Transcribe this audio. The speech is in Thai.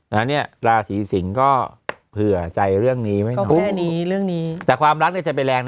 แล้วเนี่ยราศีสิงษ์ก็เผื่อใจเรื่องนี้แต่ความรักเนี่ยจะไปแรง